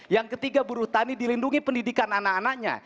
yang ketiga buruh tani dilindungi pendidikan anak anaknya